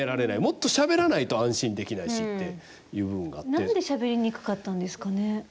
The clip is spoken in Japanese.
結局はなんでしゃべりにくかったんですかね。